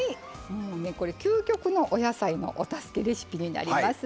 もうねこれ究極のお野菜のお助けレシピになります。